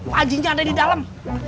panjinya ada di dalam